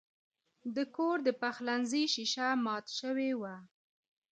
د کور د پخلنځي شیشه مات شوې وه.